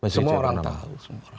semua orang tahu